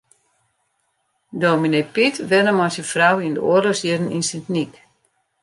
Dominee Pyt wennet mei syn frou yn de oarlochsjierren yn Sint Nyk.